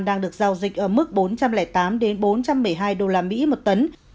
đang được giao dịch ở mức bốn trăm linh tám bốn trăm một mươi hai usd một tấn